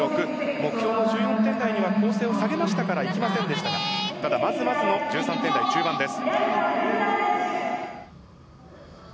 目標の１４点台には構成を下げましたからいきませんでしたがまずまずの１３点台中盤です。